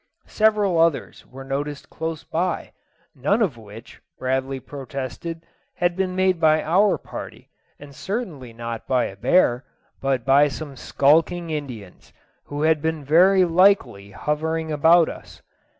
Several others were noticed close by, none of which, Bradley protested, had been made by our party, and certainly not by a bear, but by some sculking Indians, who had been very likely hovering about us.